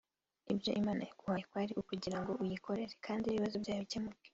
Ibyo Imana yaguhaye kwari ukugira ngo uyikorere kandi n’ibibazo byawe bikemuke